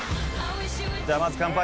じゃあまず乾杯。